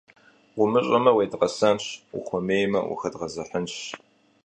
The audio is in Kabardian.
Умыщӏэмэ – уедгъэсэнщ, ухуэмеймэ - ухэдгъэзыхьынщ.